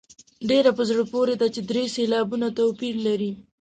ډېره په زړه پورې ده چې درې سېلابه توپیر لري.